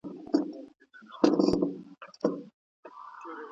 لرګي بې رنګه نه پریښودل کېږي.